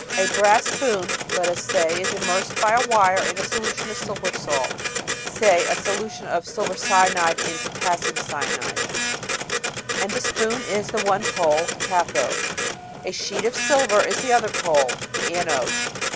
A brass spoon, let us say, is immersed by a wire in a solution of a silver salt (say. ;i solution of silver cyanide* in potassium cyanide) , and the spoon is the one pole the cathode. A sheet of silver is the other pole the anode.